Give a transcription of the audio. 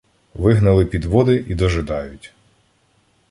Вигнали підводи і дожидають.